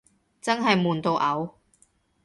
真係悶到嘔